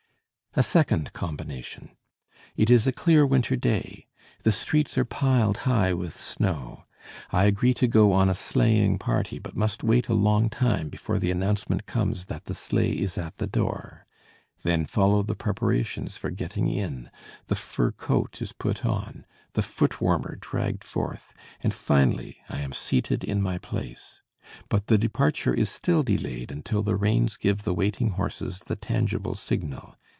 "A second combination. It is a clear winter day. The streets are piled high with snow. I agree to go on a sleighing party, but must wait a long time before the announcement comes that the sleigh is at the door. Then follow the preparations for getting in the fur coat is put on, the footwarmer dragged forth and finally I am seated in my place. But the departure is still delayed until the reins give the waiting horses the tangible signal.